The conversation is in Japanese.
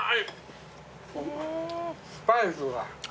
スパイスが。